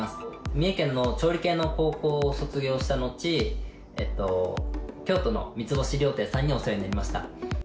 三重県の調理系の高校を卒業した後、京都の三つ星料亭さんにお世話になりました。